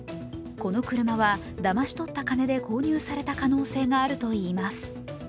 この車はだまし取った金で購入された可能性があるといいます。